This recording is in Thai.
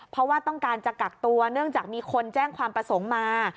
เพราะว่าต้องการจะกักตัวเนื่องจากมีคนแจ้งความประสงค์มา